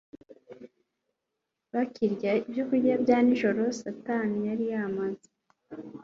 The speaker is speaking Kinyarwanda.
Bakirya ibyokurya bya nijoro Satani yari yamaze